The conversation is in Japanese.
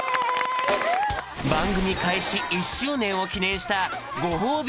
番組開始１周年を記念したご褒美